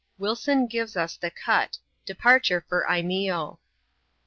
"Wilson giyes us the Cut — Departure for Imeeo.